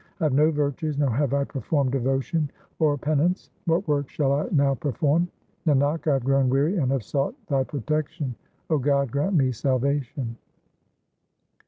I have no virtues nor have I performed devotion or pen ance : what work shall I now perform ? Nanak, I have grown weary and have sought Thy pro tection ; 0 God, grant me salvation.